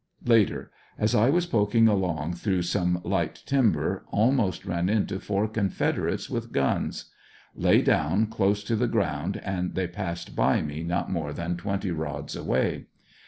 Later — As I was poking along through some light timber, almost ran into four Confederates with guns. Lay down close to the 126 ANDERSONVILLE DIARY, ground and they passed by me not more than twenty rods away.